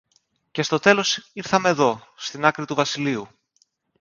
και στο τέλος ήρθαμε δω, στην άκρη του βασιλείου